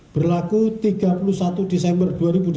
berlaku tiga puluh satu desember dua ribu delapan belas